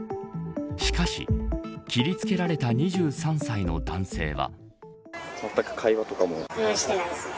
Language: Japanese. しかし切り付けられた２３歳の男性は。